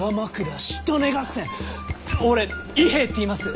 俺伊兵衛っていいます！